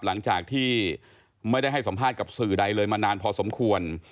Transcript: หลังจากที่ไม่ได้ให้สัมภาษณ์กับสื่อใดเลยมานานพอสมควร